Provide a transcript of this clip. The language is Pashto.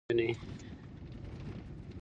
تاسو په نړیوالو ادبي شخصیتونو کې چا نومونه پیژنئ.